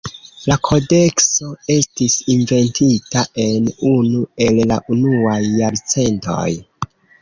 La kodekso estis inventita en unu el la unuaj jarcentoj.